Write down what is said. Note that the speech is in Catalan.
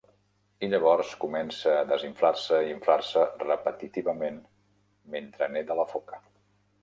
I llavors comença a desinflar-se i inflar-se repetitivament mentre neda la foca.